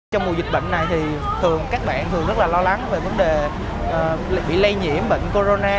trong mùa dịch bệnh này thì các bạn thường rất là lo lắng về vấn đề bị lây nhiễm bệnh corona